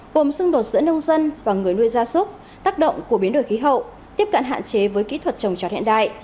gồm xung đột giữa nông dân và người nuôi gia súc tác động của biến đổi khí hậu tiếp cận hạn chế với kỹ thuật trồng trọt hiện đại